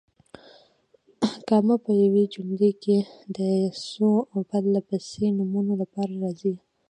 کامه په یوې جملې کې د څو پرله پسې نومونو لپاره راځي.